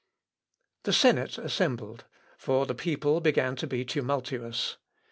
The senate assembled: for the people began to be tumultuous.